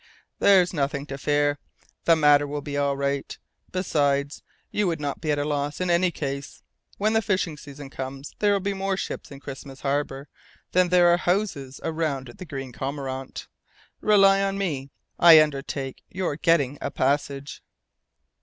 "There's nothing to fear. The matter will be all right. Besides, you would not be at a loss in any case. When the fishing season comes, there will be more ships in Christmas Harbour than there are houses around the Green Cormorant. Rely on me. I undertake your getting a passage."